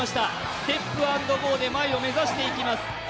ステップアンドゴーで前を目指していきます。